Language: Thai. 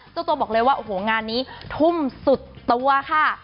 ตัวตัวบอกเลยว่างานนี้ทุ่มสุดโต้ะค่ะ